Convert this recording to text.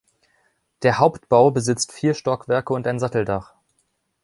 Der Hauptbau besitzt vier Stockwerke und ein Satteldach.